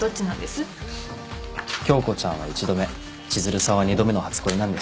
恭子ちゃんは１度目千鶴さんは２度目の初恋なんです。